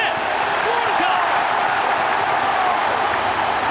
ボールか？